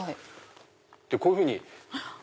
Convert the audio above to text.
こういうふうに。